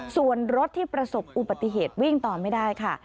ส่วนรถที่ประสบอุบัติเหตุวิ่งต่อไม่ได้ค่ะ